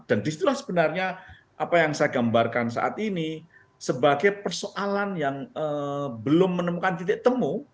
dan disitulah sebenarnya apa yang saya gambarkan saat ini sebagai persoalan yang belum menemukan titik temu